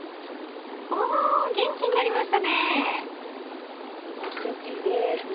おお元気になりましたね！